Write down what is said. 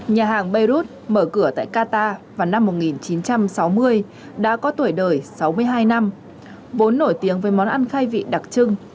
nhà hàng beirut mở cửa tại qatar vào năm một nghìn chín trăm sáu mươi đã có tuổi đời sáu mươi hai năm vốn nổi tiếng với món ăn khai vị đặc trưng